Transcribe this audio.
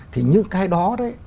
thì những cái đó đấy